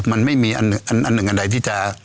มันไม่มีอันหนึ่งอันใดที่จะ